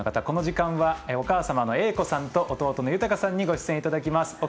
この時間はお母様の栄子さんと弟の勇大可さんにご出演いただきます。